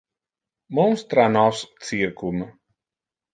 Monstra nos circum.